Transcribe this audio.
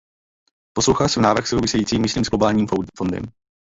Poslouchal jsem návrh souvisící, myslím, s globálním fondem.